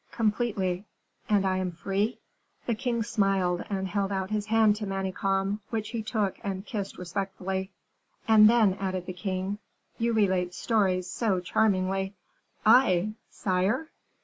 "Completely." "And I am free?" The king smiled and held out his hand to Manicamp, which he took and kissed respectfully. "And then," added the king, "you relate stories so charmingly." "I, sire!"